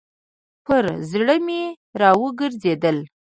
پر زړه مي راوګرځېدل .